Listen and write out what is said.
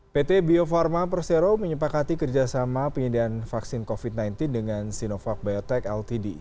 pt bio farma persero menyepakati kerjasama penyediaan vaksin covid sembilan belas dengan sinovac biotech ltd